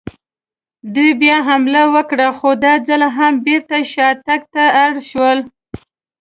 دوی بیا حمله وکړه، خو دا ځل هم بېرته شاتګ ته اړ شول.